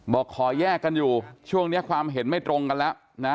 บอกขอแยกกันอยู่ช่วงนี้ความเห็นไม่ตรงกันแล้วนะ